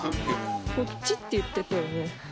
こっちって言ってたよね。